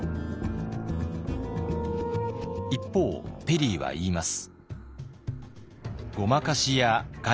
一方ペリーは言います。